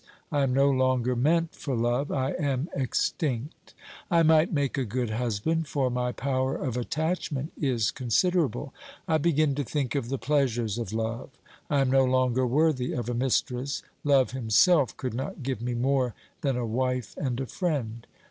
I am no longer meant for love, I am extinct. I might make a good husband, for my power of attachment is considerable. I begin to think of the pleasures of love, I am no longer worthy of a mistress. Love himself could not give me more than a wife and a friend.